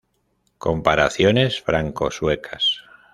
Comparaciones franco-suecas".